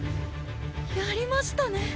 やりましたね